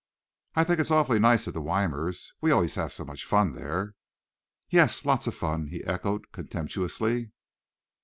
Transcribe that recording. "I think it's awfully nice at the Weimers', we always have so much fun there." "Yes, lots of fun," he echoed contemptuously.